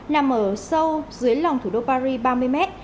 nằm ở sâu dưới lòng thủ đô paris ba mươi mét